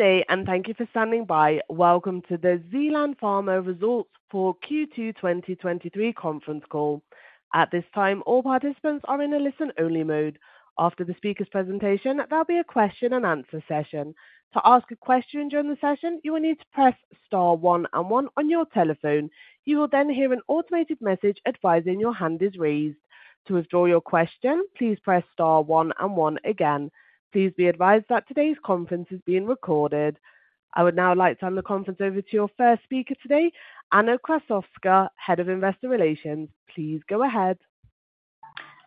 Good day, and thank you for standing by. Welcome to the Zealand Pharma Results for Q2 2023 conference call. At this time, all participants are in a listen-only mode. After the speaker's presentation, there'll be a question and answer session. To ask a question during the session, you will need to press star one and one on your telephone. You will then hear an automated message advising your hand is raised. To withdraw your question, please press star one and one again. Please be advised that today's conference is being recorded. I would now like to hand the conference over to your first speaker today, Anna Krassowska, Head of Investor Relations. Please go ahead.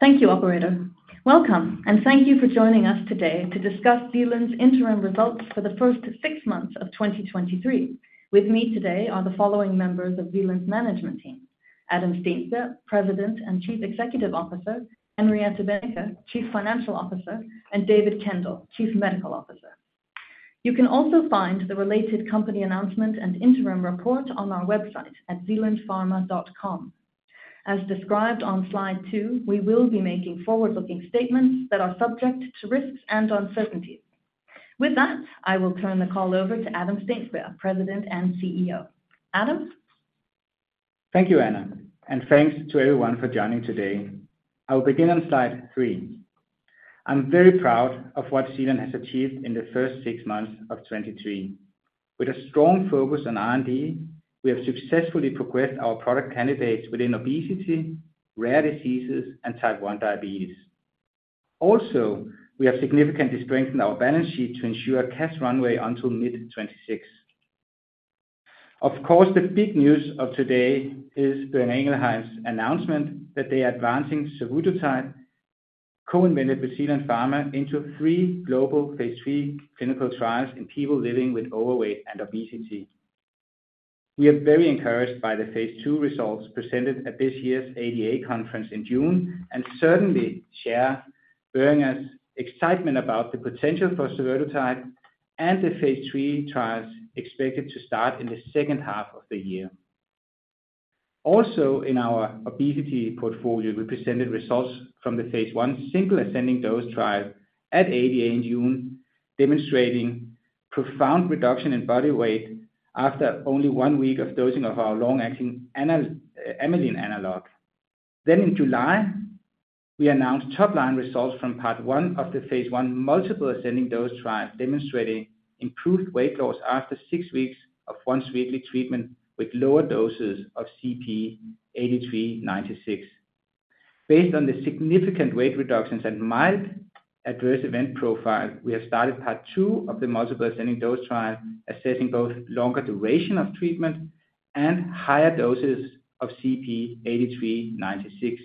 Thank you, operator. Welcome, thank you for joining us today to discuss Zealand's interim results for the first six months of 2023. With me today are the following members of Zealand's management team: Adam Steensberg, President and Chief Executive Officer, Henriette Wennicke, Chief Financial Officer, and David Kendall, Chief Medical Officer. You can also find the related company announcement and interim report on our website at zealandpharma.com. As described on slide 2, we will be making forward-looking statements that are subject to risks and uncertainties. With that, I will turn the call over to Adam Steensberg, President and CEO. Adam? Thank you, Anna, and thanks to everyone for joining today. I will begin on slide three. I'm very proud of what Zealand has achieved in the first six months of 2023. With a strong focus on R&D, we have successfully progressed our product candidates within obesity, rare diseases, and type 1 diabetes. Also, we have significantly strengthened our balance sheet to ensure a cash runway until mid-2026. Of course, the big news of today is Boehringer Ingelheim's announcement that they are advancing survodutide, co-invented with Zealand Pharma, into three global phase III clinical trials in people living with overweight and obesity. We are very encouraged by the phase II results presented at this year's ADA conference in June, and certainly share Boehringer's excitement about the potential for survodutide and the phase III trials expected to start in the second half of the year. In our obesity portfolio, we presented results from the phase I single-ascending dose trial at ADA in June, demonstrating profound reduction in body weight after only one week of dosing of our long-acting amylin analog. In July, we announced top-line results from part 1 of the phase I multiple-ascending dose trial, demonstrating improved weight loss after six weeks of once-weekly treatment with lower doses of ZP-8396. Based on the significant weight reductions and mild adverse event profile, we have started part two of the multiple-ascending dose trial, assessing both longer duration of treatment and higher doses of ZP-8396.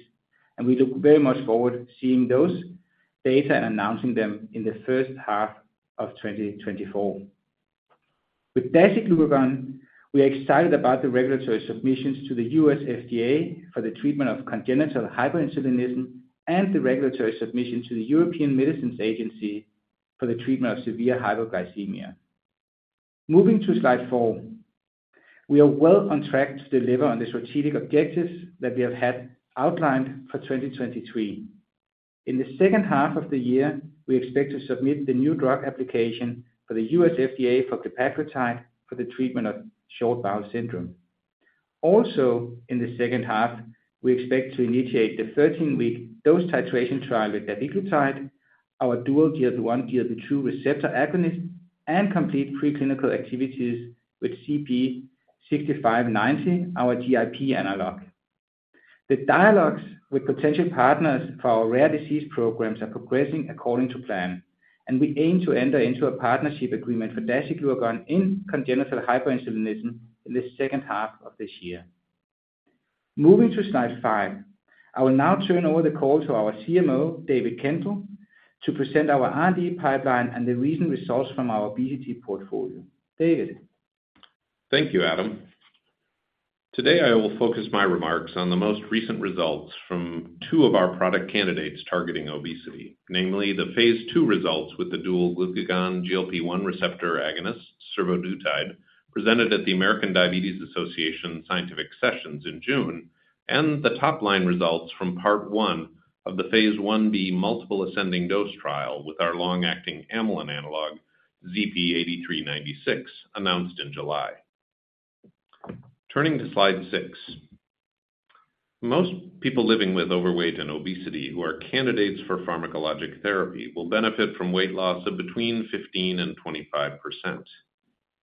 We look very much forward to seeing those data and announcing them in the first half of 2024. With dasiglucagon, we are excited about the regulatory submissions to the U.S. FDA for the treatment of congenital hyperinsulinism and the regulatory submission to the European Medicines Agency for the treatment of severe hypoglycemia. Moving to slide four, we are well on track to deliver on the strategic objectives that we have had outlined for 2023. In the second half of the year, we expect to submit the New Drug Application for the U.S. FDA for apraglutide for the treatment of short bowel syndrome. Also, in the second half, we expect to initiate the 13-week dose-titration trial with dapiglutide, our dual GLP-1, GLP-2 receptor agonist, and complete preclinical activities with ZP-6590, our GIP analog. The dialogues with potential partners for our rare disease programs are progressing according to plan, and we aim to enter into a partnership agreement for dasiglucagon in congenital hyperinsulinism in the second half of this year. Moving to slide five. I will now turn over the call to our CMO, David Kendall, to present our R&D pipeline and the recent results from our obesity portfolio. David? Thank you, Adam. Today, I will focus my remarks on the most recent results from two of our product candidates targeting obesity. Namely, the phase II results with the dual glucagon GLP-1 receptor agonist, survodutide, presented at the American Diabetes Association Scientific Sessions in June, and the top-line results from part one of the phase I-B multiple-ascending dose trial with our long-acting amylin analog, ZP-8396, announced in July. Turning to slide six. Most people living with overweight and obesity who are candidates for pharmacologic therapy will benefit from weight loss of between 15% and 25%.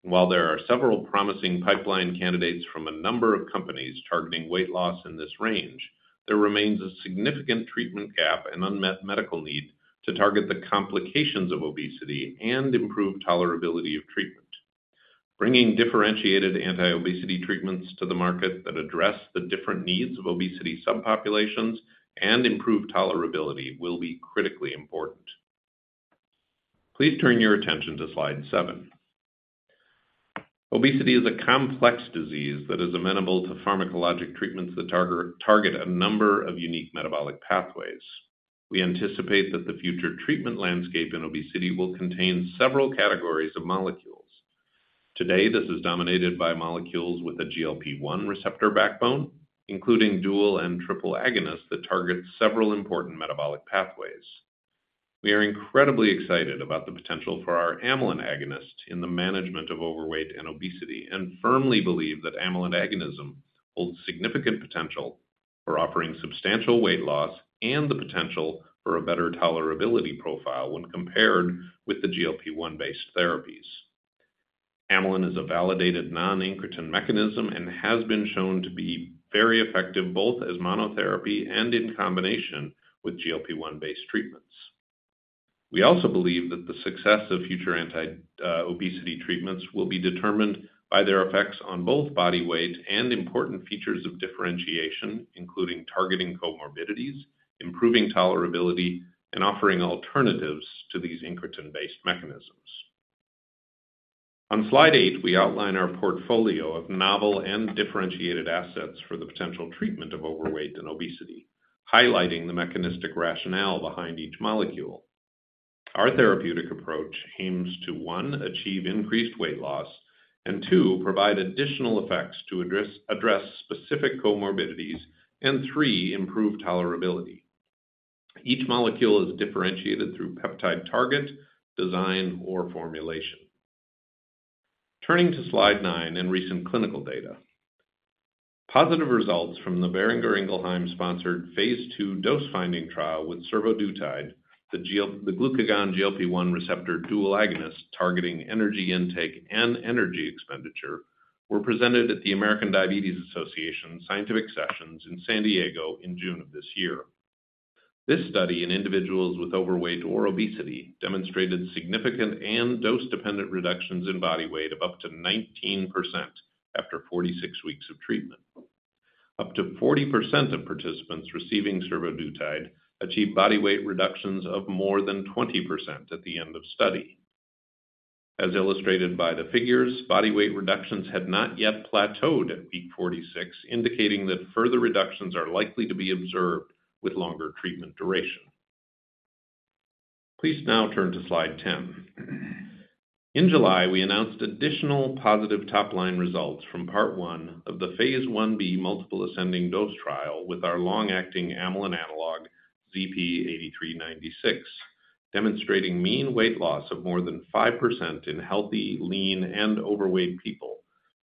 While there are several promising pipeline candidates from a number of companies targeting weight loss in this range, there remains a significant treatment gap and unmet medical need to target the complications of obesity and improve tolerability of treatment. Bringing differentiated anti-obesity treatments to the market that address the different needs of obesity subpopulations and improve tolerability will be critically important. Please turn your attention to slide seven. Obesity is a complex disease that is amenable to pharmacologic treatments that target, target a number of unique metabolic pathways. We anticipate that the future treatment landscape in obesity will contain several categories of molecules. Today, this is dominated by molecules with a GLP-1 receptor backbone, including dual and triple agonists that target several important metabolic pathways. We are incredibly excited about the potential for our amylin agonist in the management of overweight and obesity, and firmly believe that amylin agonism holds significant potential for offering substantial weight loss and the potential for a better tolerability profile when compared with the GLP-1 based therapies. Amylin is a validated non-incretin mechanism and has been shown to be very effective, both as monotherapy and in combination with GLP-1 based treatments. We also believe that the success of future anti obesity treatments will be determined by their effects on both body weight and important features of differentiation, including targeting comorbidities, improving tolerability, and offering alternatives to these incretin-based mechanisms. On slide eight, we outline our portfolio of novel and differentiated assets for the potential treatment of overweight and obesity, highlighting the mechanistic rationale behind each molecule. Our therapeutic approach aims to, one, achieve increased weight loss, and two, provide additional effects to address, address specific comorbidities, and three, improve tolerability. Each molecule is differentiated through peptide target, design, or formulation. Turning to slide nine in recent clinical data. Positive results from the Boehringer Ingelheim-sponsored phase II dose-finding trial with survodutide, the glucagon GLP-1 receptor dual agonist, targeting energy intake and energy expenditure, were presented at the American Diabetes Association Scientific Sessions in San Diego in June of this year. This study in individuals with overweight or obesity, demonstrated significant and dose-dependent reductions in body weight of up to 19% after 46 weeks of treatment. Up to 40% of participants receiving survodutide achieved body weight reductions of more than 20% at the end of study. As illustrated by the figures, body weight reductions had not yet plateaued at week 46, indicating that further reductions are likely to be observed with longer treatment duration. Please now turn to slide 10. In July, we announced additional positive top-line results from part one of the phase I-B multiple-ascending dose trial with our long-acting amylin analog, ZP-8396, demonstrating mean weight loss of more than 5% in healthy, lean, and overweight people,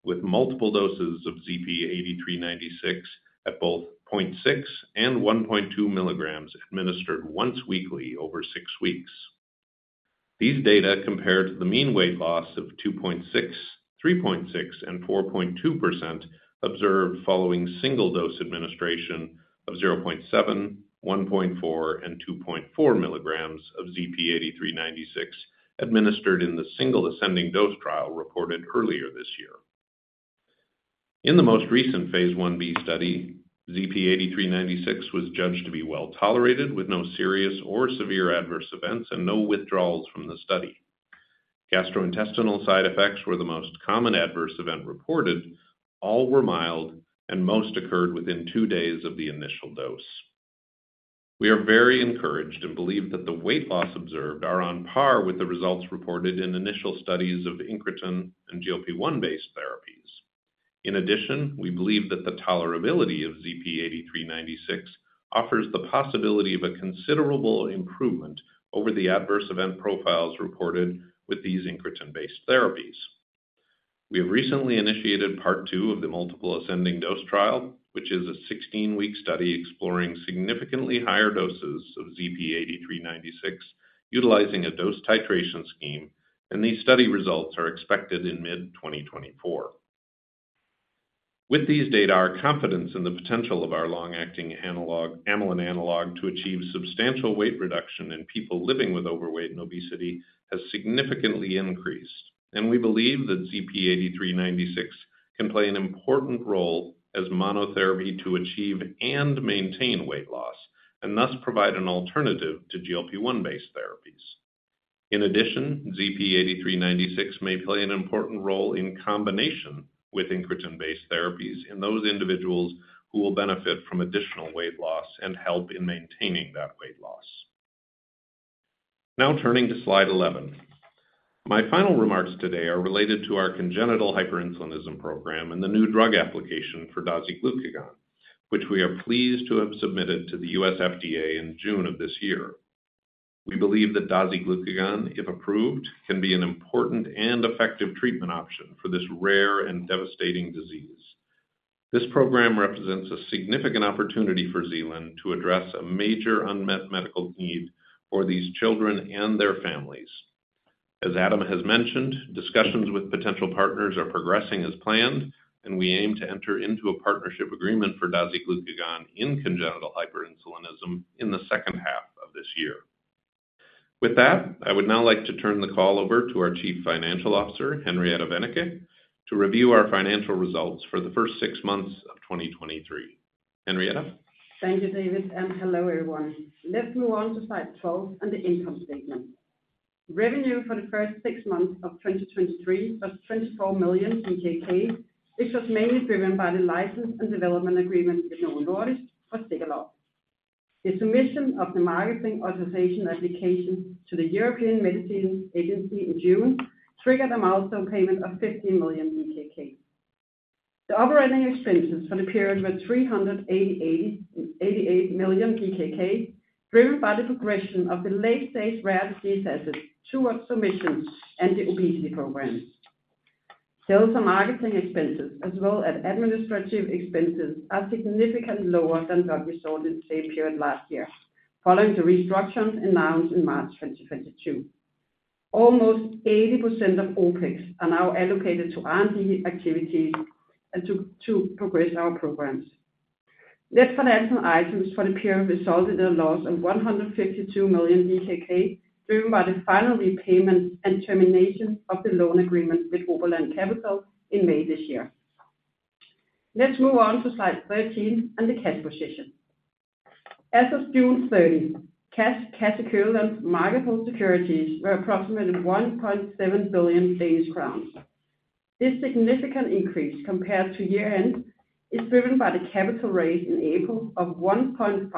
with multiple doses of ZP-8396 at both 0.6 and 1.2 mg, administered once weekly over six weeks. These data compare to the mean weight loss of 2.6%, 3.6%, and 4.2% observed following single dose administration of 0.7, 1.4, and 2.4 mg of ZP-8396, administered in the single-ascending dose trial reported earlier this year. In the most recent phase I-B study, ZP-8396 was judged to be well-tolerated, with no serious or severe adverse events and no withdrawals from the study. Gastrointestinal side effects were the most common adverse event reported. All were mild, and most occurred within two days of the initial dose. We are very encouraged and believe that the weight loss observed are on par with the results reported in initial studies of incretin and GLP-1 based therapies. In addition, we believe that the tolerability of ZP-8396 offers the possibility of a considerable improvement over the adverse event profiles reported with these incretin-based therapies. We have recently initiated part two of the multiple-ascending dose trial, which is a 16-week study exploring significantly higher doses of ZP-8396, utilizing a dose titration scheme, and these study results are expected in mid-2024. With these data, our confidence in the potential of our long-acting amylin analog to achieve substantial weight reduction in people living with overweight and obesity, has significantly increased. We believe that ZP-8396 can play an important role as monotherapy to achieve and maintain weight loss, and thus provide an alternative to GLP-1 based therapies. In addition, ZP-8396 may play an important role in combination with incretin-based therapies in those individuals who will benefit from additional weight loss and help in maintaining that weight loss. Now turning to slide 11. My final remarks today are related to our congenital hyperinsulinism program and the New Drug Application for dasiglucagon, which we are pleased to have submitted to the U.S. FDA in June of this year. We believe that dasiglucagon, if approved, can be an important and effective treatment option for this rare and devastating disease. This program represents a significant opportunity for Zealand to address a major unmet medical need for these children and their families. As Adam has mentioned, discussions with potential partners are progressing as planned, and we aim to enter into a partnership agreement for dasiglucagon in congenital hyperinsulinism in the second half of this year. With that, I would now like to turn the call over to our Chief Financial Officer, Henriette Wennicke, to review our financial results for the first 6 months of 2023. Henriette? Thank you, David. Hello, everyone. Let's move on to slide 12 and the income statement. Revenue for the first six months of 2023 was 24 million, which was mainly driven by the license and development agreement with Novo Nordisk for Zegalogue. The submission of the Marketing Authorisation Application to the European Medicines Agency in June triggered a milestone payment of 50 million. The operating expenses for the period were 388 million, driven by the progression of the late-stage rare-diseases towards submissions and the obesity programs. Sales and marketing expenses, as well as administrative expenses, are significantly lower than what we saw in the same period last year, following the restructures announced in March 2022. Almost 80% of OpEx are now allocated to R&D activities and to progress our programs. Net financial items for the period resulted in a loss of 152 million DKK, driven by the final repayment and termination of the loan agreement with Oberland Capital in May this year. Let's move on to slide 13 and the cash position. As of June 30, cash, cash equivalents, marketable securities, were approximately 1.7 billion Danish crowns. This significant increase compared to year-end, is driven by the capital raise in April of 1.5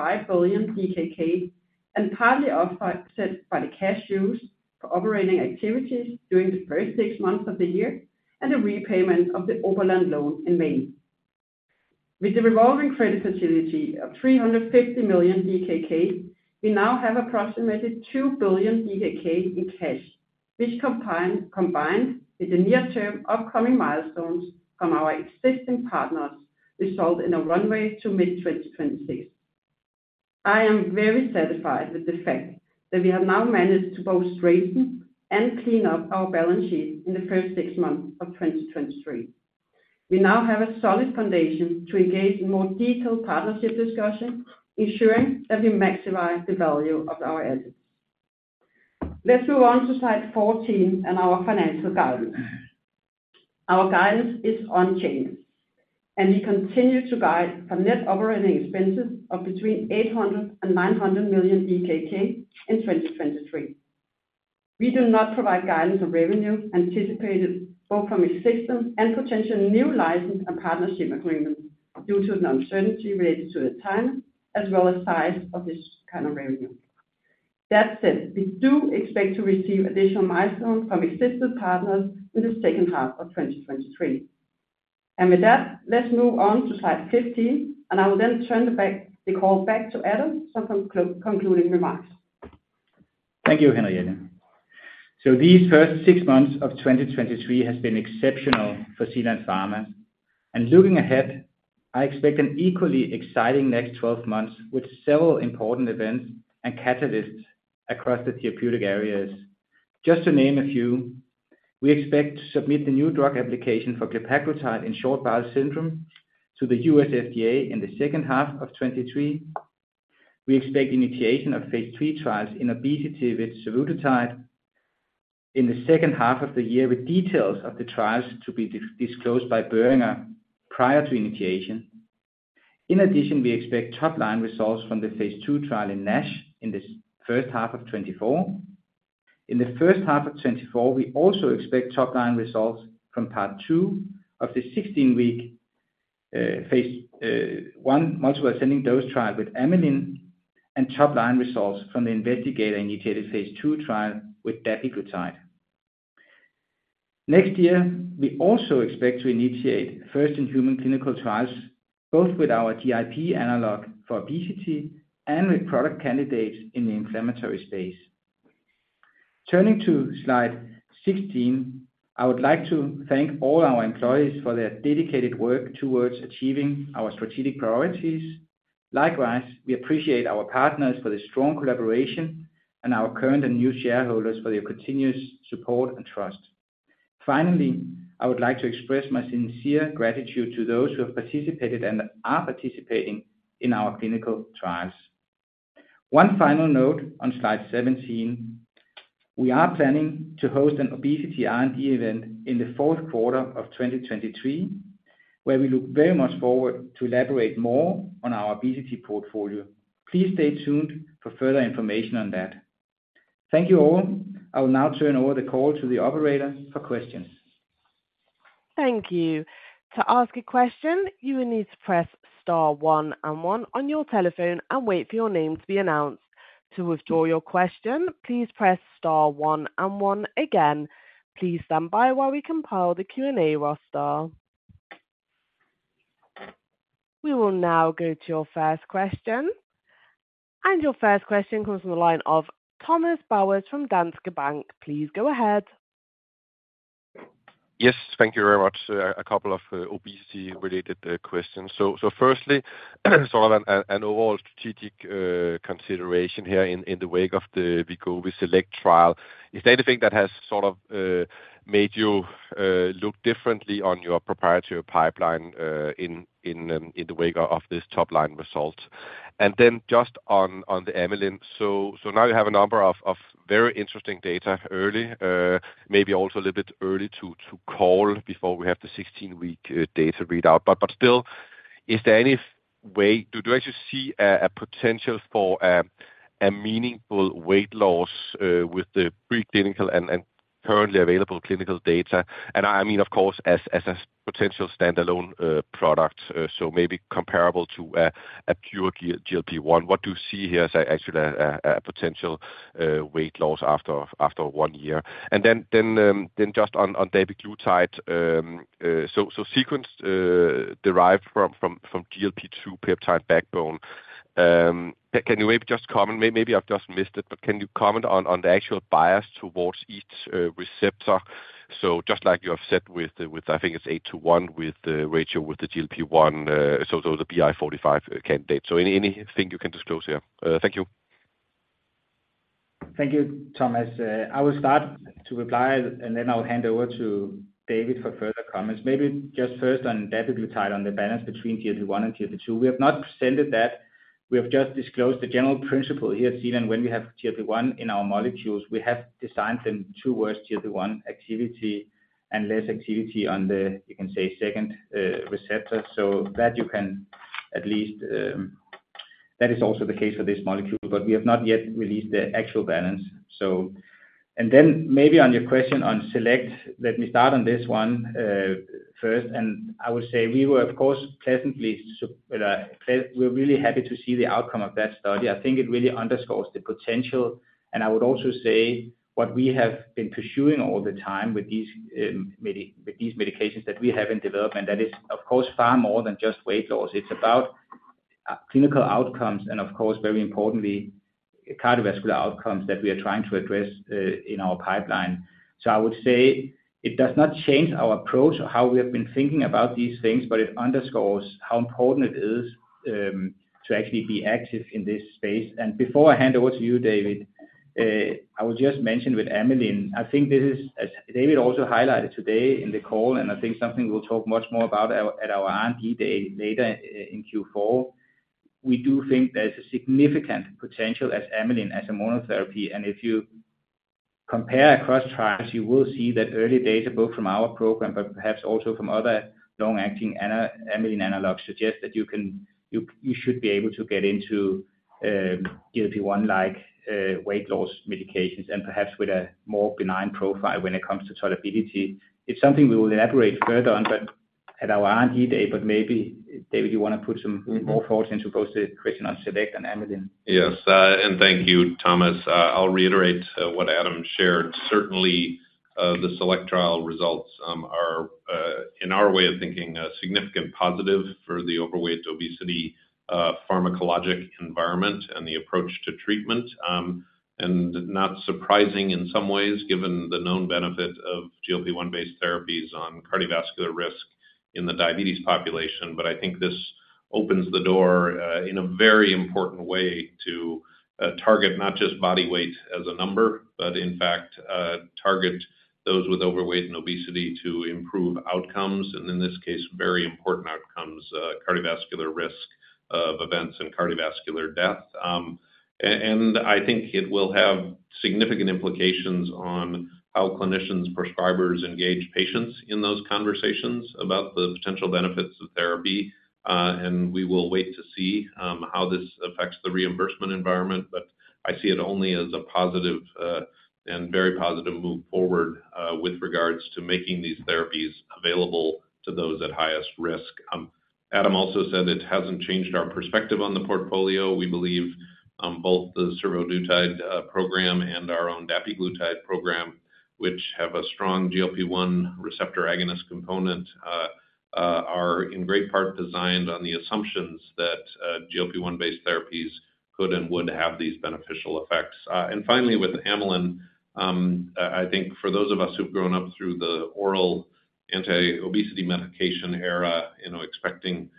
billion DKK, and partly offset by the cash used for operating activities during the first six months of the year, and the repayment of the Oberland loan in May. With the revolving credit facility of 350 million DKK, we now have approximately 2 billion DKK in cash, which combine, combined with the near-term upcoming milestones from our existing partners, result in a runway to mid-2026. I am very satisfied with the fact that we have now managed to both strengthen and clean up our balance sheet in the first six months of 2023. We now have a solid foundation to engage in more detailed partnership discussions, ensuring that we maximize the value of our assets. Let's move on to slide 14 and our financial guidance. Our guidance is unchanged, we continue to guide for net operating expenses of between 800 million and 900 million in 2023. We do not provide guidance on revenue anticipated both from existing and potential new license and partnership agreements, due to the uncertainty related to the time as well as size of this kind of revenue. That said, we do expect to receive additional milestones from existing partners in the second half of 2023. With that, let's move on to slide 15, and I will then turn it back, the call back to Adam for some concluding remarks. Thank you, Henriette. These first six months of 2023 has been exceptional for Zealand Pharma. Looking ahead, I expect an equally exciting next 12 months, with several important events and catalysts across the therapeutic areas. Just to name a few, we expect to submit the New Drug Application for glepaglutide in short bowel syndrome to the U.S. FDA in the second half of 2023. We expect initiation of phase III trials in obesity with survodutide in the second half of the year, with details of the trials to be disclosed by Boehringer prior to initiation. In addition, we expect top-line results from the phase II trial in NASH in the first half of 2024. In the first half of 2024, we also expect top-line results from part two of the 16-week phase I multiple ascending dose trial with amylin, and top-line results from the investigator-initiated phase II trial with dapiglutide. Next year, we also expect to initiate first-in-human clinical trials, both with our GIP analog for obesity and with product candidates in the inflammatory space. Turning to slide 16, I would like to thank all our employees for their dedicated work towards achieving our strategic priorities. Likewise, we appreciate our partners for their strong collaboration and our current and new shareholders for their continuous support and trust. Finally, I would like to express my sincere gratitude to those who have participated and are participating in our clinical trials. One final note on slide 17: we are planning to host an obesity R&D event in the fourth quarter of 2023, where we look very much forward to elaborate more on our obesity portfolio. Please stay tuned for further information on that. Thank you, all. I will now turn over the call to the operator for questions. Thank you. To ask a question, you will need to press star one and one on your telephone and wait for your name to be announced. To withdraw your question, please press star one and one again. Please stand by while we compile the Q&A roster. We will now go to your first question. Your first question comes from the line of Thomas Bowers from Danske Bank. Please go ahead. Yes, thank you very much. A couple of obesity-related questions. firstly, sort of an overall strategic consideration here in the wake of the Wegovy SELECT trial. Is there anything that has sort of made you look differently on your proprietary pipeline in the wake of this top-line result? just on the amylin, now you have a number of very interesting data early, maybe also a little bit early to call before we have the 16-week data readout. still, is there any way, do you actually see a potential for a meaningful weight loss with the preclinical and currently available clinical data, I mean, of course, as a potential standalone product, so maybe comparable to a pure GLP-1, what do you see here as actually a potential weight loss after one year? Just on dapiglutide, so sequence derived from from from GLP-2 peptide backbone. Can you maybe just comment, maybe I've just missed it, but can you comment on the actual bias towards each receptor? Just like you have said with the, with, I think it's eight to one, with the ratio with the GLP-1, so those are BI 456906 candidates. Any, anything you can disclose here? Thank you. Thank you, Thomas. I will start to reply, and then I'll hand over to David for further comments. Maybe just first on dapiglutide, on the balance between GLP-1 and GLP-2. We have not presented that. We have just disclosed the general principle here, seen, when we have GLP-1 in our molecules, we have designed them towards GLP-1 activity and less activity on the, you can say, second receptor. That you can at least, that is also the case for this molecule, but we have not yet released the actual balance. Then maybe on your question on SELECT, let me start on this one first, I would say we were, of course, pleasantly we're really happy to see the outcome of that study. I think it really underscores the potential, and I would also say what we have been pursuing all the time with these medications that we have in development, that is, of course, far more than just weight loss. It's about clinical outcomes and of course, very importantly, cardiovascular outcomes that we are trying to address in our pipeline. I would say it does not change our approach or how we have been thinking about these things, but it underscores how important it is to actually be active in this space. Before I hand over to you, David, I will just mention with amylin, I think this is, as David also highlighted today in the call, and I think something we'll talk much more about at our R&D Day later in Q4. We do think there's a significant potential as amylin, as a monotherapy, and if you compare across trials, you will see that early data, both from our program, but perhaps also from other long-acting amylin analogs, suggest that you should be able to get into GLP-1, like, weight loss medications, and perhaps with a more benign profile when it comes to tolerability. It's something we will elaborate further on, but at our R&D Day. Maybe, David, you want to put some more thoughts into both the question on SELECT and amylin. Yes, thank you, Thomas. I'll reiterate what Adam shared. Certainly, the SELECT trial results are in our way of thinking, a significant positive for the overweight obesity, pharmacologic environment and the approach to treatment. Not surprising in some ways, given the known benefit of GLP-1 based therapies on cardiovascular risk in the diabetes population. I think this opens the door in a very important way to target not just body weight as a number, but in fact, target those with overweight and obesity to improve outcomes, and in this case, very important outcomes, cardiovascular risk of events and cardiovascular death. And I think it will have significant implications on how clinicians, prescribers, engage patients in those conversations about the potential benefits of therapy. We will wait to see how this affects the reimbursement environment, but I see it only as a positive and very positive move forward with regards to making these therapies available to those at highest risk. Adam also said it hasn't changed our perspective on the portfolio. We believe both the tirzepatide program and our own dapiglutide program, which have a strong GLP-1 receptor agonist component, are in great part designed on the assumptions that GLP-1 based therapies could and would have these beneficial effects. Finally, with amylin, I think for those of us who've grown up through the oral anti-obesity medication era, you know, expecting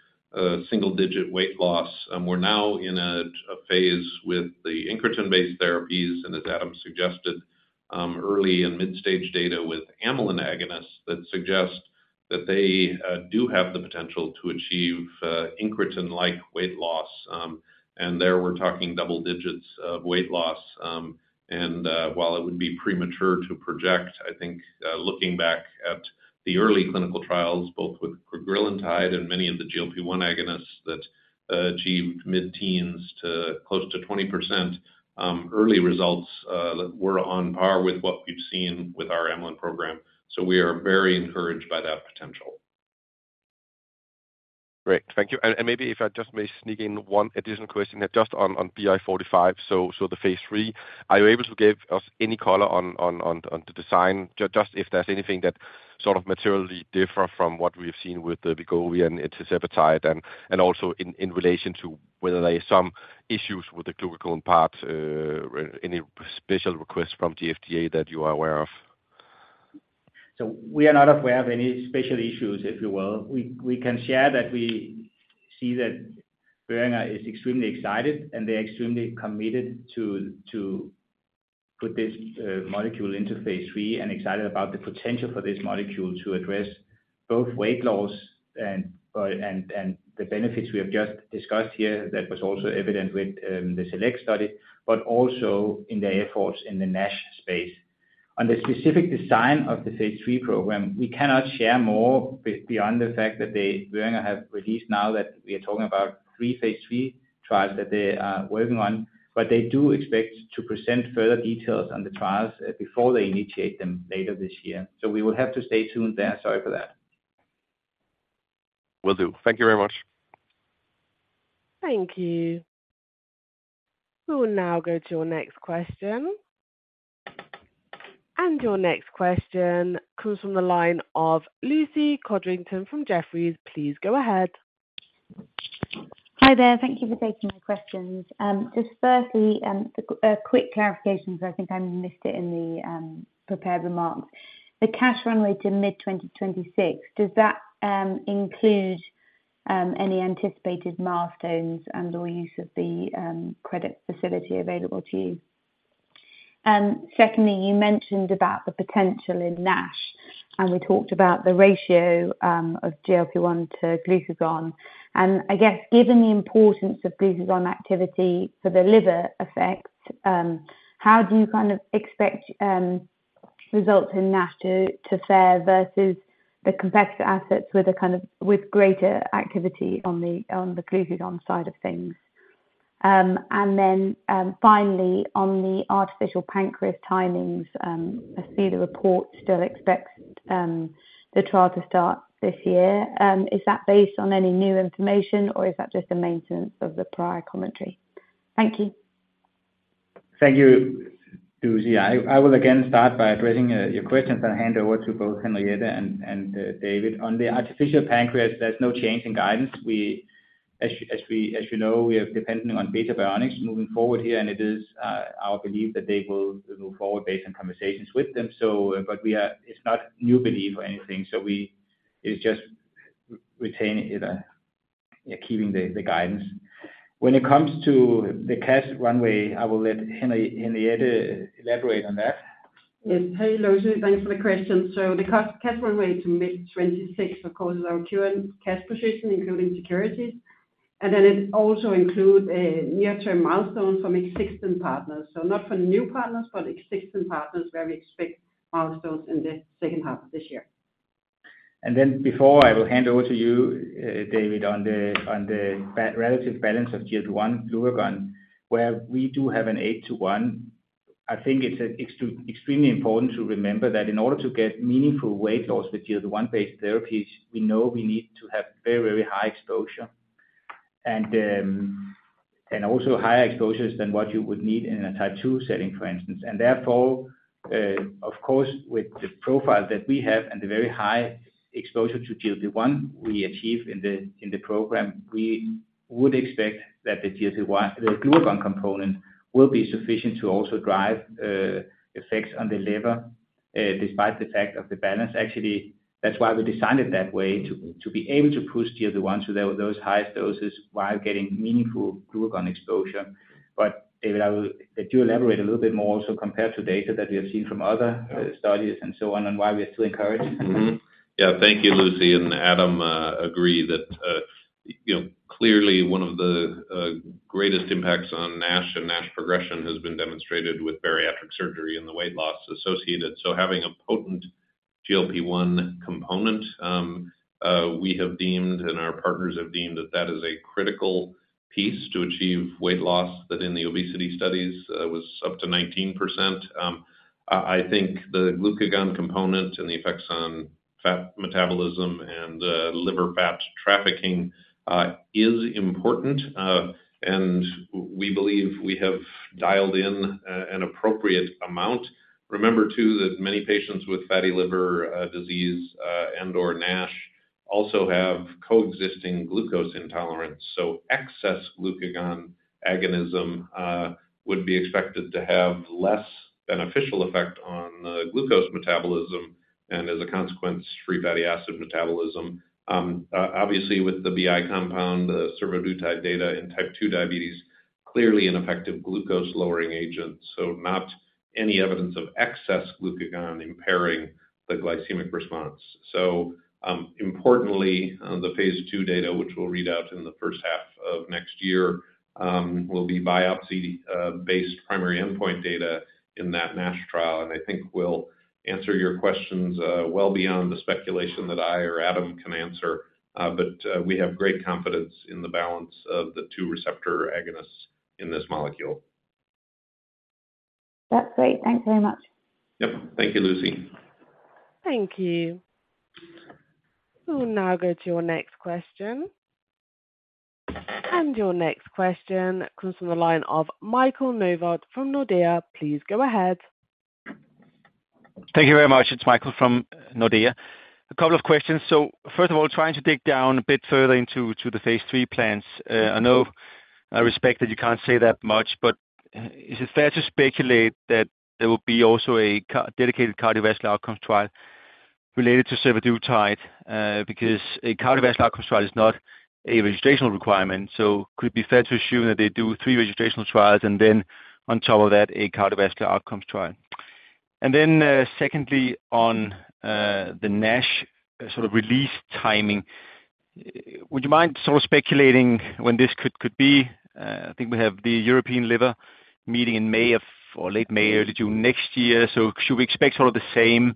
single-digit weight loss, we're now in a phase with the incretin-based therapies, and as Adam suggested, early and mid-stage data with amylin agonists that suggest that they do have the potential to achieve incretin-like weight loss. There we're talking double-digits of weight loss. While it would be premature to project, I think, looking back at the early clinical trials, both with petrelintide and many of the GLP-1 agonists that achieved mid-teens to close to 20%, early results that were on par with what we've seen with our amylin program. We are very encouraged by that potential. Great, thank you. Maybe if I just may sneak in one additional question just on BI 456906. The phase III, are you able to give us any color on the design? Just if there's anything that sort of materially differ from what we've seen with the Wegovy and retatrutide, also in relation to whether there are some issues with the glucagon part, any special requests from the FDA that you are aware of? We are not aware of any special issues, if you will. We, we can share that we see that Boehringer is extremely excited, and they're extremely committed to, to put this molecule into phase III, and excited about the potential for this molecule to address both weight loss and, and, and the benefits we have just discussed here. That was also evident with the SELECT study, but also in their efforts in the NASH space. The specific design of the phase III program, we cannot share more beyond the fact that they, Boehringer, have released now that we are talking about three phase III trials that they are working on, but they do expect to present further details on the trials before they initiate them later this year. We will have to stay tuned there. Sorry for that. Will do. Thank you very much. Thank you. We will now go to your next question. Your next question comes from the line of Lucy Codrington from Jefferies. Please go ahead. Hi there. Thank you for taking my questions. Just firstly, the quick clarification, because I think I missed it in the prepared remarks. The cash runway to mid-2026, does that include any anticipated milestones and or use of the credit facility available to you? Secondly, you mentioned about the potential in NASH, and we talked about the ratio of GLP-1 to glucagon. I guess given the importance of glucagon activity for the liver effect, how do you kind of expect results in NASH to fare versus the competitor assets with a kind of, with greater activity on the glucagon side of things? Finally, on the artificial pancreas timings, I see the report still expects the trial to start this year. Is that based on any new information, or is that just a maintenance of the prior commentary? Thank you. Thank you, Lucy. I, I will again start by addressing your questions and hand over to both Henriette and, and David. On the artificial pancreas, there's no change in guidance. We as, as we, as you know, we are dependent on Beta Bionics moving forward here, and it is our belief that they will move forward based on conversations with them. But we are, it's not new belief or anything, so we it's just retaining it, yeah, keeping the guidance. When it comes to the cash runway, I will let Henri, Henriette elaborate on that. Yes. Hey, Lucy, thanks for the question. The cash runway to mid-2026, of course, is our current cash position, including securities, and then it also includes a near-term milestone from existing partners. Not from new partners, but existing partners, where we expect milestones in the second half of this year. Then before I will hand over to you, David, on the, on the relative balance of GLP-1 glucagon, where we do have an eight to one, I think it's extremely important to remember that in order to get meaningful weight loss with GLP-1 based therapies, we know we need to have very, very high exposure, and also higher exposures than what you would need in a type 2 setting, for instance. Therefore, of course, with the profile that we have and the very high exposure to GLP-1 we achieve in the, in the program, we would expect that the GLP-1, the glucagon component, will be sufficient to also drive effects on the liver despite the fact of the balance. Actually, that's why we designed it that way, to, to be able to push GLP-1 to those, those high doses while getting meaningful glucagon exposure. David, I will let you elaborate a little bit more also compared to data that we have seen from other studies and so on, and why we are still encouraged. Yeah. Thank you, Lucy. Adam, agree that, you know, clearly one of the greatest impacts on NASH and NASH progression has been demonstrated with bariatric surgery and the weight loss associated. Having a potent GLP-1 component, we have deemed, and our partners have deemed that that is a critical piece to achieve weight loss, that in the obesity studies, was up to 19%. I think the glucagon component and the effects on fat metabolism and liver fat trafficking is important, and we believe we have dialed in an appropriate amount. Remember, too, that many patients with fatty liver disease and/or NASH also have coexisting glucose intolerance. Excess glucagon agonism would be expected to have less beneficial effect on the glucose metabolism and, as a consequence, free fatty acid metabolism. Obviously, with the BI compound, the survodutide data in type 2 diabetes, clearly an effective glucose-lowering agent, so not any evidence of excess glucagon impairing the glycemic response. Importantly, the phase II data, which we'll read out in the first half of next year, will be biopsy based primary endpoint data in that NASH trial. I think we'll answer your questions well beyond the speculation that I or Adam can answer. We have great confidence in the balance of the two receptor agonists in this molecule. That's great. Thanks very much. Yep. Thank you, Lucy. Thank you. We'll now go to your next question. Your next question comes from the line of Michael Novod from Nordea. Please go ahead. Thank you very much. It's Michael from Nordea. A couple of questions. First of all, trying to dig down a bit further into, to the phase III plans. I know I respect that you can't say that much, but is it fair to speculate that there will be also a dedicated cardiovascular outcomes trial related to survodutide? Because a cardiovascular outcomes trial is not a registrational requirement, could it be fair to assume that they do three registrational trials and then on top of that, a cardiovascular outcomes trial? Secondly, on the NASH sort of release timing, would you mind sort of speculating when this could, could be? I think we have the European liver meeting in May or late May or June next year. Should we expect sort of the same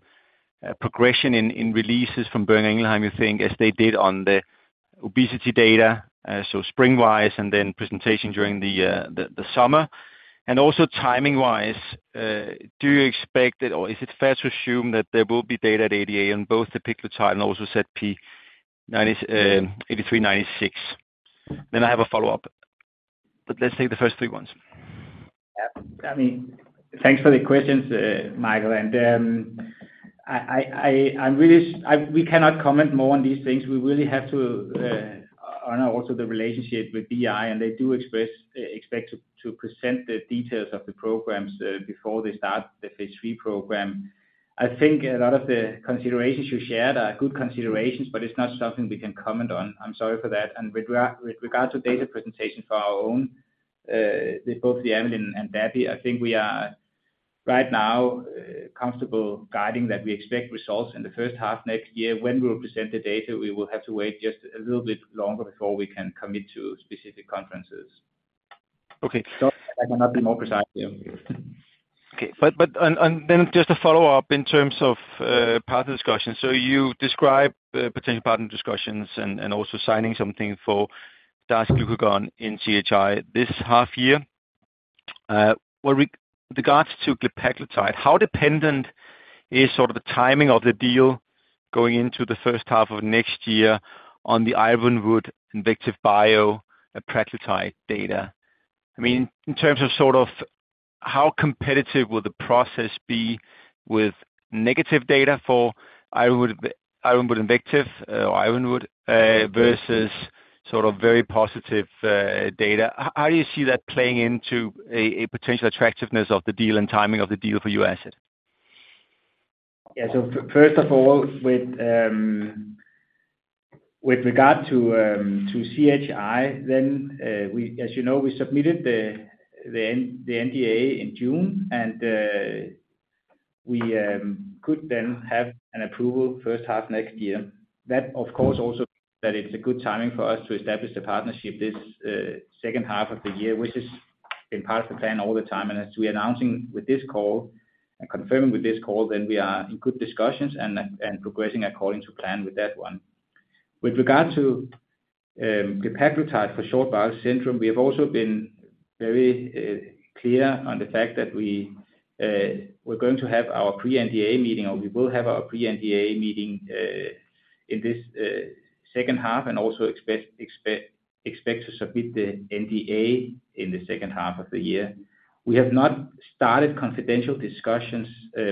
progression in releases from Boehringer Ingelheim, you think, as they did on the obesity data? Spring wise and then presentation during the summer. Also timing wise, do you expect that, or is it fair to assume that there will be data at ADA on both the petrelintide and also ZP-8396? I have a follow-up. Let's take the first three ones. Yeah, I mean, thanks for the questions, Michael. I, I, I, I'm really we cannot comment more on these things. We really have to honor also the relationship with BI, and they do express expect to present the details of the programs before they start the phase III program. I think a lot of the considerations you shared are good considerations, but it's not something we can comment on. I'm sorry for that. With with regard to data presentation for our own, with both the amylin and dapiglutide, I think we are right now comfortable guiding that we expect results in the first half next year. When we'll present the data, we will have to wait just a little bit longer before we can commit to specific conferences. Okay. I cannot be more precise here. Okay. Just a follow-up in terms of partner discussions. You describe potential partner discussions and also signing something for dasiglucagon in CHI this half year. What regards to glepaglutide, how dependent is sort of the timing of the deal going into the first half of next year on the Ironwood Pharmaceuticals/VectivBio apraglutide data? I mean, in terms of sort of how competitive will the process be with negative data for Ironwood/VectivBio, or Ironwood versus sort of very positive data? How do you see that playing into a potential attractiveness of the deal and timing of the deal for your asset? Yeah. First of all, with regard to CHI, then we, as you know, we submitted the NDA in June, and we could then have an approval first half next year. That, of course, also that it's a good timing for us to establish the partnership this second half of the year, which has been part of the plan all the time. As we are announcing with this call and confirming with this call, then we are in good discussions and progressing according to plan with that one. With regard to the glepaglutide for short bowel syndrome, we have also been very clear on the fact that we we're going to have our pre-NDA meeting, or we will have our pre-NDA meeting in this second half, and also expect to submit the NDA in the second half of the year. We have not started confidential discussions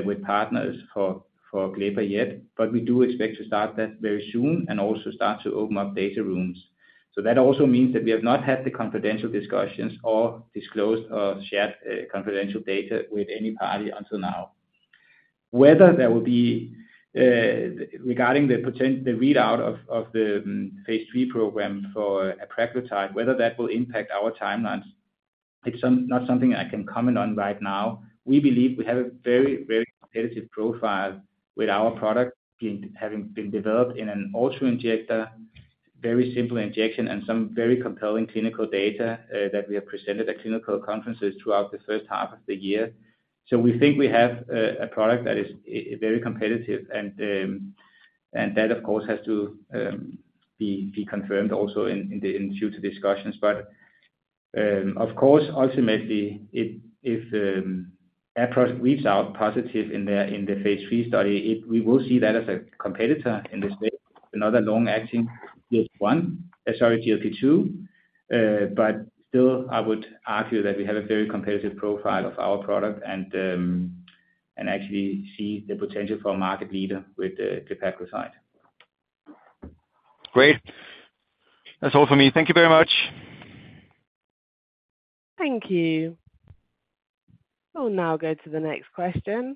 with partners for glepaglutide yet, but we do expect to start that very soon and also start to open up data rooms. That also means that we have not had the confidential discussions or disclosed or shared confidential data with any party until now. Whether there will be regarding the readout of the phase III program for apraglutide, whether that will impact our timelines, it's not something I can comment on right now. We believe we have a very, very competitive profile with our product in having been developed in an auto-injector, very simple injection, and some very compelling clinical data that we have presented at clinical conferences throughout the first half of the year. We think we have a product that is very competitive, and that, of course, has to be confirmed also due to discussions. Of course, ultimately, if EASE reads out positive in the phase III study, we will see that as a competitor in this space, another long-acting, this one, sorry, GLP-2. Still, I would argue that we have a very competitive profile of our product and actually see the potential for a market leader with the glepaglutide. Great. That's all for me. Thank you very much. Thank you. We'll now go to the next question.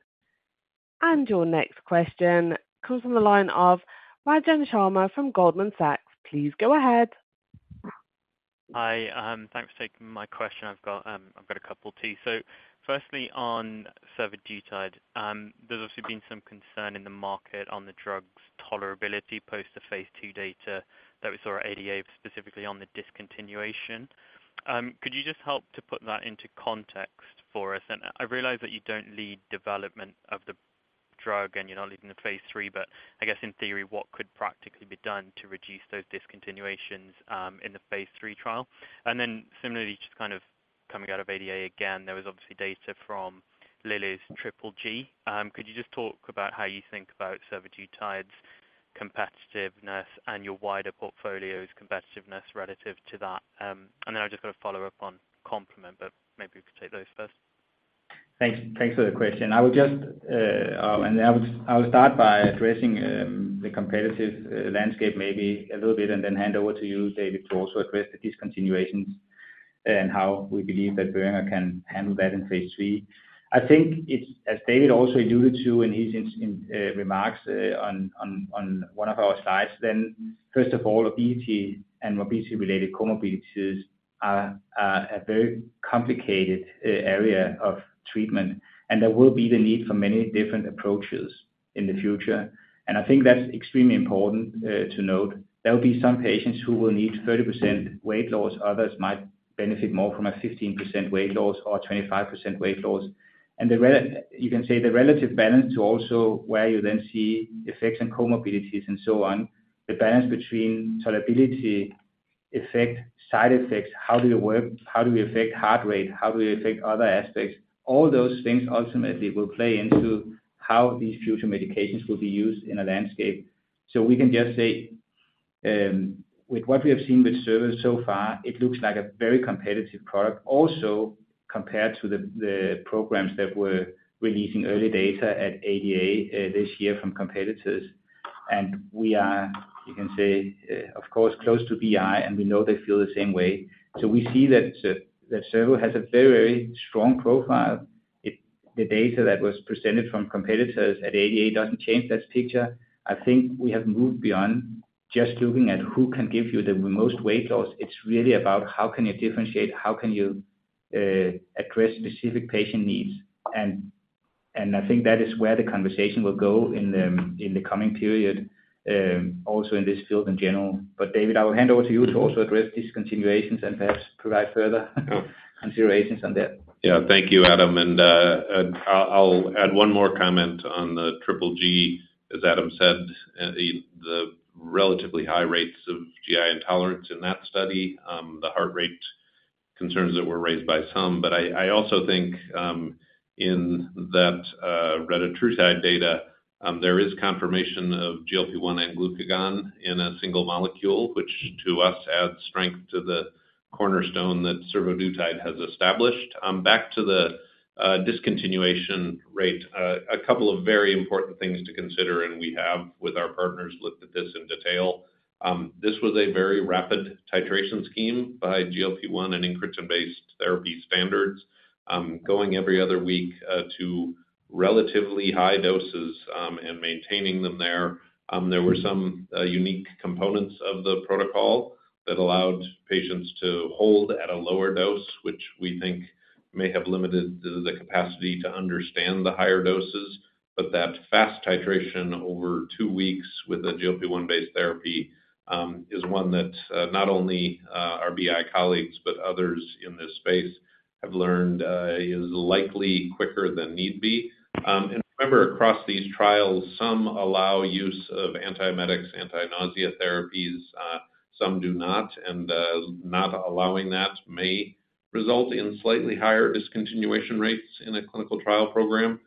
Your next question comes from the line of Rajan Sharma from Goldman Sachs. Please go ahead. Hi, thanks for taking my question. I've got, I've got a couple, too. Firstly, on survodutide, there's obviously been some concern in the market on the drug's tolerability post the phase II data that we saw at ADA, specifically on the discontinuation. Could you just help to put that into context for us? I realize that you don't lead development of the drug, and you're not leading the phase III, but I guess in theory, what could practically be done to reduce those discontinuations in the phase III trial? Similarly, just kind of coming out of ADA again, there was obviously data from Lilly's Triple G. Could you just talk about how you think about survodutide's competitiveness and your wider portfolio's competitiveness relative to that? Then I've just got to follow up on complement, but maybe you could take those first. Thanks, thanks for the question. I will just start by addressing the competitive landscape maybe a little bit and then hand over to you, David, to also address the discontinuations and how we believe that Boehringer can handle that in phase III. I think it's, as David also alluded to in his remarks on one of our slides, then first of all, obesity and obesity-related comorbidities are a very complicated area of treatment, there will be the need for many different approaches in the future. I think that's extremely important to note. There will be some patients who will need 30% weight loss. Others might benefit more from a 15% weight loss or 25% weight loss. The re- you can say the relative balance to also where you then see effects on comorbidities and so on, the balance between tolerability, effect, side effects, how do you work, how do we affect heart rate? How do we affect other aspects? All those things ultimately will play into how these future medications will be used in a landscape. We can just say- with what we have seen with Servo so far, it looks like a very competitive product, also compared to the, the programs that were releasing early data at ADA this year from competitors. We are, you can say, of course, close to BI, and we know they feel the same way. We see that Servo has a very strong profile. It, the data that was presented from competitors at ADA doesn't change that picture. I think we have moved beyond just looking at who can give you the most weight loss. It's really about how can you differentiate, how can you address specific patient needs? I think that is where the conversation will go in the, in the coming period, also in this field in general. David, I will hand over to you to also address discontinuations and perhaps provide further considerations on that. Yeah. Thank you, Adam, and I'll, I'll add one more comment on the triple-G. As Adam said, the, the relatively high rates of GI intolerance in that study, the heart rate concerns that were raised by some. I, I also think, in that retatrutide data, there is confirmation of GLP-1 and glucagon in a single molecule, which to us adds strength to the cornerstone that survodutide has established. Back to the discontinuation rate, a couple of very important things to consider, and we have, with our partners, looked at this in detail. This was a very rapid titration scheme by GLP-1 and incretin-based therapy standards, going every other week, to relatively high doses, and maintaining them there. There were some unique components of the protocol that allowed patients to hold at a lower dose, which we think may have limited the, the capacity to understand the higher doses. That fast titration over two weeks with a GLP-1 based therapy, is one that, not only, our BI colleagues, but others in this space have learned, is likely quicker than need be. Remember, across these trials, some allow use of antiemetics, anti-nausea therapies, some do not, and not allowing that may result in slightly higher discontinuation rates in a clinical trial program.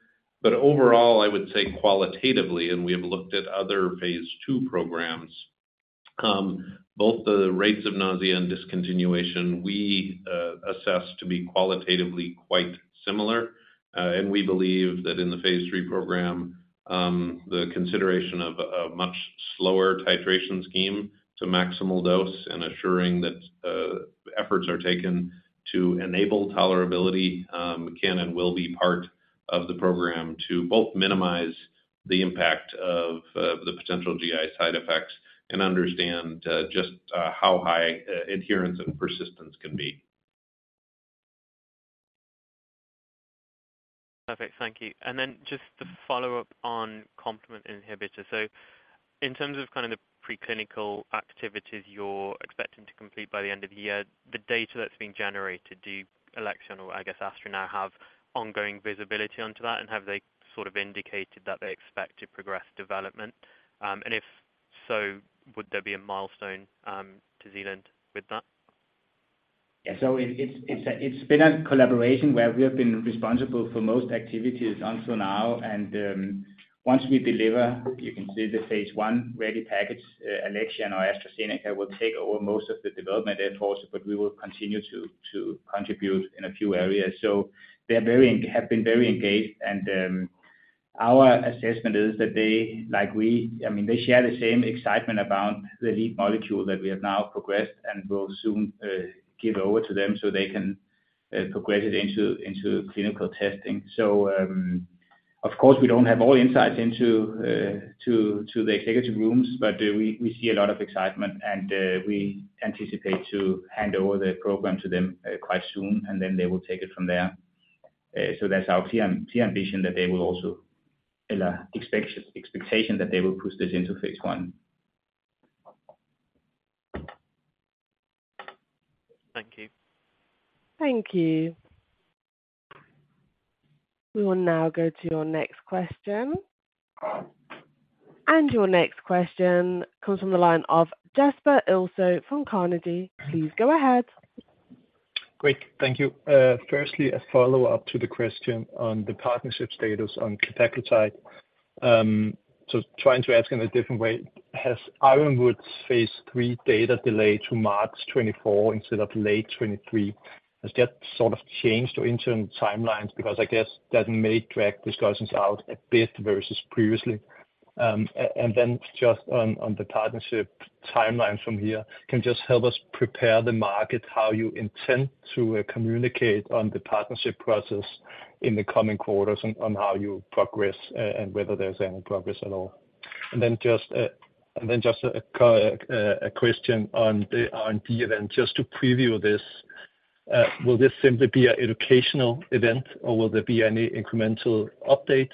Overall, I would say qualitatively, and we have looked at other phase II programs, both the rates of nausea and discontinuation we, assess to be qualitatively quite similar. We believe that in the phase III program, the consideration of a, a much slower titration scheme to maximal dose and assuring that, efforts are taken to enable tolerability, can and will be part of the program to both minimize the impact of, the potential GI side effects and understand, just, how high, adherence and persistence can be. Perfect. Thank you. Then just to follow up on complement inhibitor. In terms of kind of the preclinical activities you're expecting to complete by the end of the year, the data that's being generated, do Alexion or I guess Astra now have ongoing visibility onto that? Have they sort of indicated that they expect to progress development? If so, would there be a milestone to Zealand with that? Yeah, so it's, it's been a collaboration where we have been responsible for most activities until now. Once we deliver, you can see the phase I ready package, Alexion or AstraZeneca will take over most of the development efforts, but we will continue to, to contribute in a few areas. They're very have been very engaged, and our assessment is that they, like we, I mean, they share the same excitement about the lead molecule that we have now progressed and will soon give over to them so they can progress it into, into clinical testing. Of course, we don't have all insights into to the executive rooms, but we, we see a lot of excitement, and we anticipate to hand over the program to them quite soon, and then they will take it from there. That's our clear, clear ambition that they will also expect- expectation that they will push this into phase I. Thank you. Thank you. We will now go to your next question. Your next question comes from the line of Jesper Ilsøe from Carnegie. Please go ahead. Great. Thank you. Firstly, a follow-up to the question on the partnership status on dapiglutide. Trying to ask in a different way, has Ironwood's phase III data delayed to March 2024 instead of late 2023? Has that sort of changed your interim timelines? Because I guess that may drag discussions out a bit versus previously. Then just on, on the partnership timeline from here, can you just help us prepare the market, how you intend to communicate on the partnership process in the coming quarters on, on how you progress, and whether there's any progress at all? Then just, and then just a question on the R&D event, just to preview this, will this simply be an educational event, or will there be any incremental updates?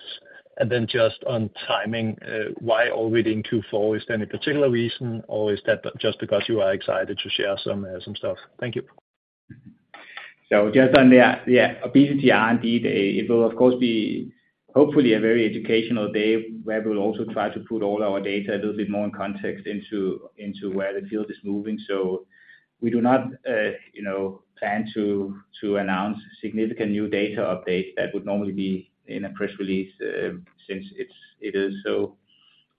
Then just on timing, why are we in Q4? Is there any particular reason, or is that just because you are excited to share some, some stuff? Thank you. Just on the, the obesity R&D Day, it will, of course, be hopefully a very educational day, where we'll also try to put all our data a little bit more in context into, into where the field is moving. We do not, you know, plan to, to announce significant new data updates that would normally be in a press release, since it's, it is so,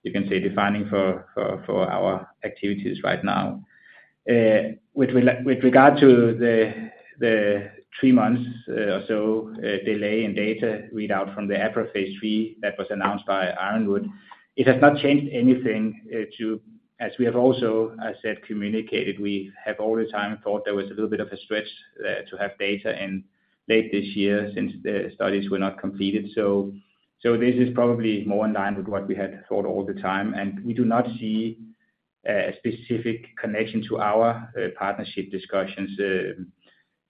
you can say, defining for, for, for our activities right now. With regard to the, the three months, or so, delay in data readout from the STARS phase III that was announced by Ironwood, it has not changed anything to. As we have also, as said, communicated, we have all the time thought there was a little bit of a stretch to have data in late this year since the studies were not completed. This is probably more in line with what we had thought all the time, and we do not see a specific connection to our partnership discussions.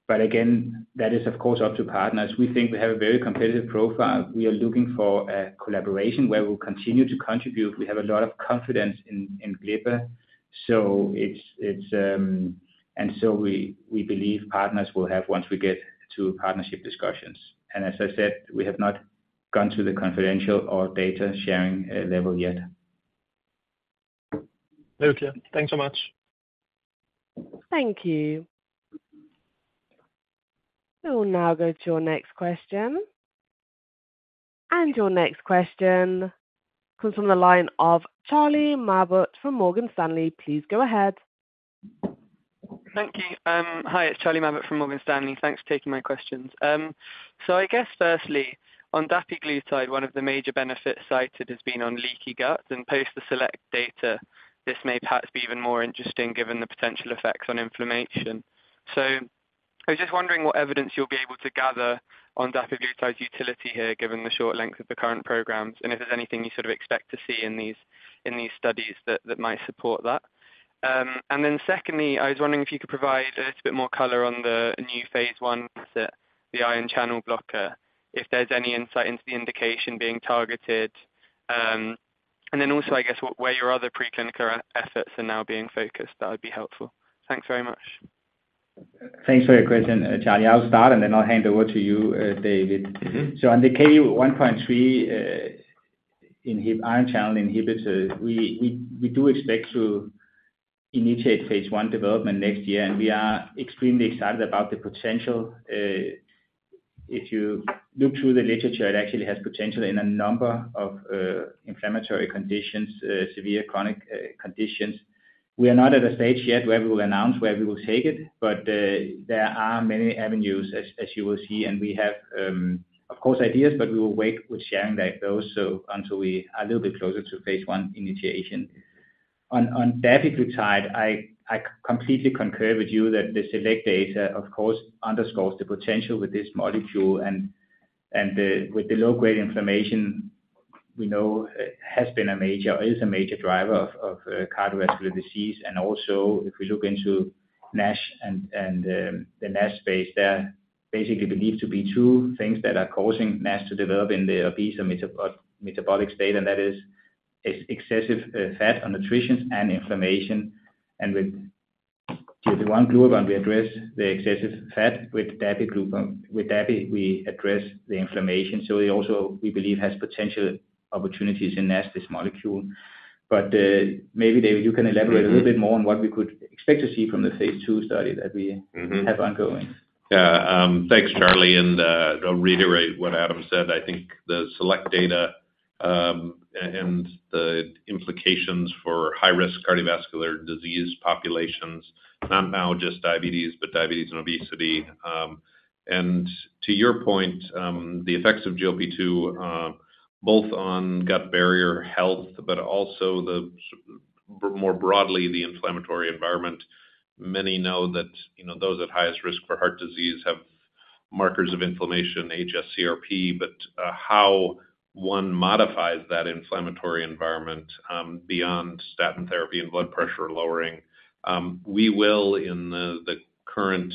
Again, that is, of course, up to partners. We think we have a very competitive profile. We are looking for a collaboration where we'll continue to contribute. We have a lot of confidence in, in glepaglutide, so it's, it's, and so we, we believe partners will have once we get to partnership discussions. As I said, we have not gone to the confidential or data sharing level yet. Very clear. Thanks so much. Thank you. We will now go to your next question. Your next question comes from the line of Charlie Mabbutt from Morgan Stanley. Please go ahead. Thank you. Hi, it's Charlie Mabbutt from Morgan Stanley. Thanks for taking my questions. I guess firstly, on dapiglutide, one of the major benefits cited has been on leaky gut, and post the SELECT data, this may perhaps be even more interesting given the potential effects on inflammation. I was just wondering what evidence you'll be able to gather on dapiglutide's utility here, given the short length of the current programs, and if there's anything you sort of expect to see in these, in these studies that, that might support that? Then secondly, I was wondering if you could provide a little bit more color on the new phase I, the ion channel blocker, if there's any insight into the indication being targeted. Then also, I guess, what, where your other preclinical efforts are now being focused, that would be helpful. Thanks very much. Thanks for your question, Charlie. I'll start, and then I'll hand over to you, David. Mm-hmm. On the Kv1.3 inhib- ion channel inhibitor, we do expect to initiate phase I development next year. We are extremely excited about the potential. If you look through the literature, it actually has potential in a number of inflammatory conditions, severe chronic conditions. We are not at a stage yet where we will announce where we will take it, but there are many avenues, as you will see, and we have, of course, ideas, but we will wait with sharing that, though, until we are a little bit closer to phase I initiation. On, on dapiglutide, I, I completely concur with you that the SELECT data, of course, underscores the potential with this molecule, and, and the, with the low-grade inflammation, we know, has been a major, is a major driver of, of, cardiovascular disease. Also, if we look into NASH and, and, the NASH space, there basically believed to be two things that are causing NASH to develop in the obese and metabolic state, and that is, is excessive, fat on nutrition and inflammation. With [GLP-1 global], we address the excessive fat with dapiglutide. With dapi, we address the inflammation. It also, we believe, has potential opportunities in NASH, this molecule. Maybe, David, you can elaborate a little bit more on what we could expect to see from the phase II study that we- Mm-hmm Have ongoing. Yeah, thanks, Charlie, and I'll reiterate what Adam said. I think the SELECT data, and the implications for high-risk cardiovascular disease populations, not now just diabetes, but diabetes and obesity. To your point, the effects of GLP-2, both on gut barrier health, but also more broadly, the inflammatory environment. Many know that, you know, those at highest risk for heart disease have markers of inflammation, hsCRP, but how one modifies that inflammatory environment, beyond statin therapy and blood pressure lowering. We will, in the current,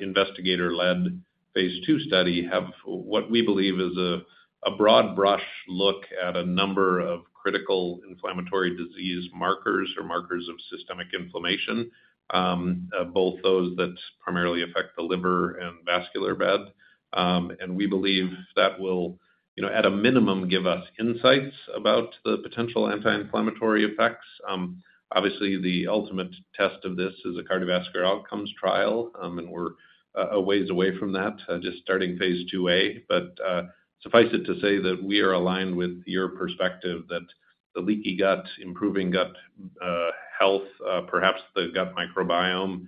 investigator-led phase II study, have what we believe is a broad brush look at a number of critical inflammatory disease markers or markers of systemic inflammation, both those that primarily affect the liver and vascular bed. We believe that will, you know, at a minimum, give us insights about the potential anti-inflammatory effects. Obviously, the ultimate test of this is a cardiovascular outcomes trial, and we're a, a ways away from that, just starting phase II-A. Suffice it to say that we are aligned with your perspective that the leaky gut, improving gut health, perhaps the gut microbiome,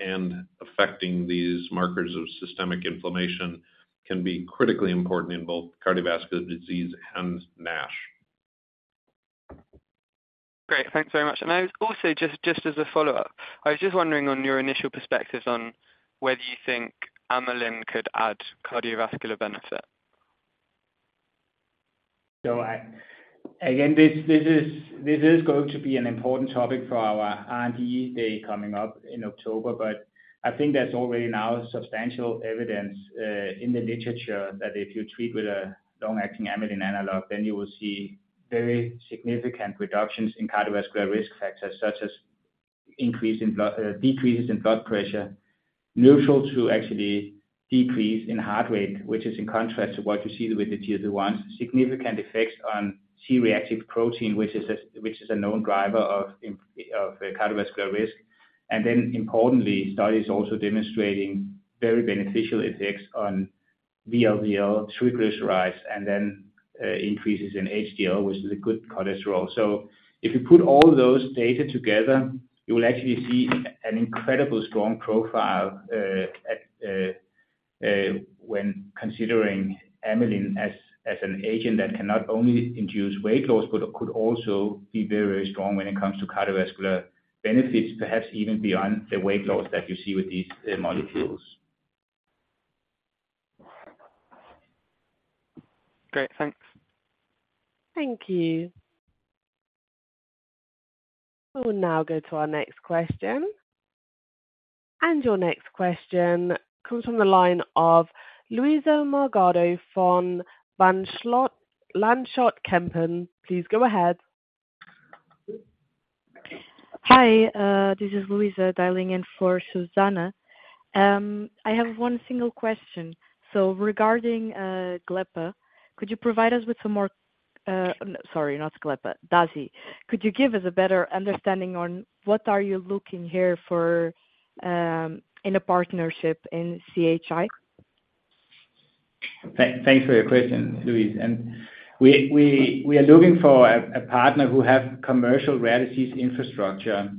and affecting these markers of systemic inflammation can be critically important in both cardiovascular disease and NASH. Great. Thanks very much. I was also, just, just as a follow-up, I was just wondering on your initial perspectives on whether you think amylin could add cardiovascular benefit. Again, this, this is, this is going to be an important topic for our R&D Day coming up in October. I think there's already now substantial evidence in the literature that if you treat with a long-acting amylin analog, then you will see very significant reductions in cardiovascular risk factors, such as increase in blood, decreases in blood pressure, neutral to actually decrease in heart rate, which is in contrast to what you see with the GLP-1s. Significant effects on C-reactive protein, which is a, which is a known driver of cardiovascular risk. Importantly, studies also demonstrating very beneficial effects on VLDL, triglycerides, and increases in HDL, which is a good cholesterol. If you put all those data together, you will actually see an incredible strong profile, at when considering amylin as an agent that can not only induce weight loss, but could also be very, very strong when it comes to cardiovascular benefits, perhaps even beyond the weight loss that you see with these molecules. Great. Thanks. Thank you. We'll now go to our next question. Your next question comes from the line of Luisa Morgado from Van Lanschot Kempen. Please go ahead. Hi, this is Luisa, dialing in for Suzanna. I have one single question. Regarding, Glepa, could you provide us with some more... Sorry, not Glepa, Dasi. Could you give us a better understanding on what are you looking here for, in a partnership in CHI? Thanks for your question, Luisa. We, we, we are looking for a partner who have commercial rare disease infrastructure.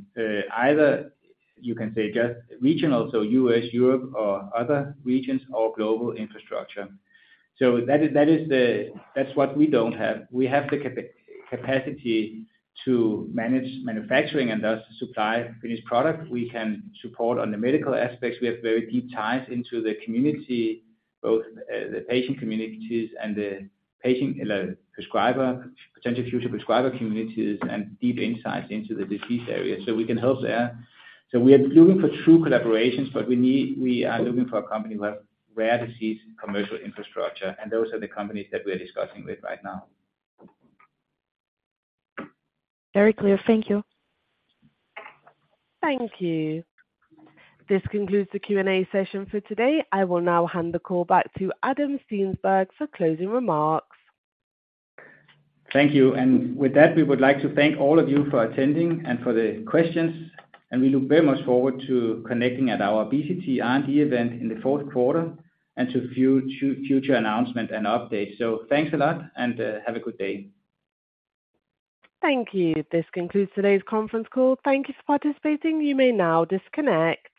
Either you can say just regional, so U.S., Europe or other regions or global infrastructure. That is, that is the- that's what we don't have. We have the capacity to manage manufacturing and thus supply finished product. We can support on the medical aspects. We have very deep ties into the community, both the patient communities and the patient prescriber, potential future prescriber communities, and deep insights into the disease area, so we can help there. We are looking for true collaborations, but we are looking for a company with rare disease, commercial infrastructure, and those are the companies that we are discussing with right now. Very clear. Thank you. Thank you. This concludes the Q&A session for today. I will now hand the call back to Adam Steensberg for closing remarks. Thank you. With that, we would like to thank all of you for attending and for the questions, and we look very much forward to connecting at our obesity R&D event in the fourth quarter, and to future announcement and updates. Thanks a lot, and have a good day. Thank you. This concludes today's conference call. Thank you for participating. You may now disconnect.